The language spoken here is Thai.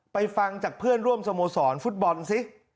ฟังจากเพื่อนร่วมสโมสรฟุตบอลสิ